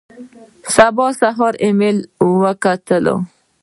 په سبا سهار ایمېلونه وکتل.